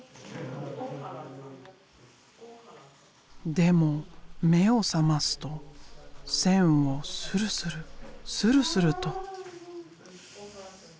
でも目を覚ますと線をスルスルスルスルと。